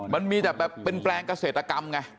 มันมีแต่เป็นแปลงเกษตรกรรมไง